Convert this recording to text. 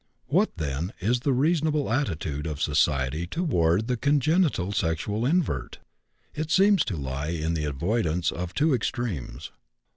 What, then, is the reasonable attitude of society toward the congenital sexual invert? It seems to lie in the avoidance of two extremes.